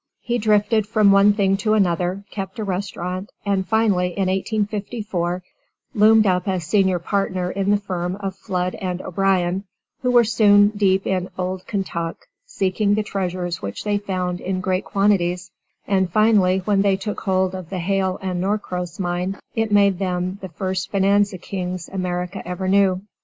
He drifted from one thing to another, kept a restaurant, and finally in 1854 loomed up as senior partner in the firm of Flood & O'Brien, who were soon deep in "Old Kentuck," seeking the treasures which they found in great quantities, and finally when they took hold of the "Hale & Norcross" mine, it made them the first bonanza kings America ever knew.